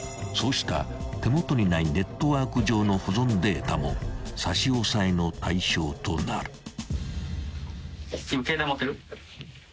［そうした手元にないネットワーク上の保存データも差し押さえの対象となる］